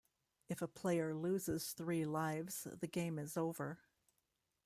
If a player loses three lives the game is over.